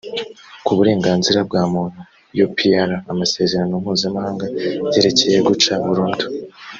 ku burenganzira bwa muntu upr amasezerano mpuzamahanga yerekeye guca burundu